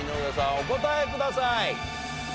お答えください。